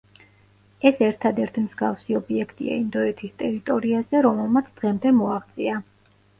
ეს ერთადერთი მსგავსი ობიექტია ინდოეთის ტერიტორიაზე, რომელმაც დღემდე მოაღწია.